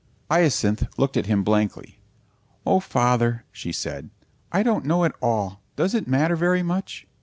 Hyacinth looked at him blankly. "Oh, Father," she said. "I don't know at all. Does it matter very much?"